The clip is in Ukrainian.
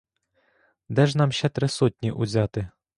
Де ж нам ще три сотні узяти?